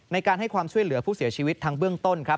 ในการให้ความช่วยเหลือผู้เสียชีวิตทั้งเบื้องต้นครับ